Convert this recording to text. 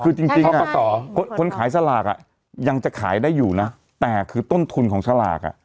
คือจริงจริงอะใช่ใช่คนขายสลากอะยังจะขายได้อยู่นะแต่คือต้นทุนของสลากอะ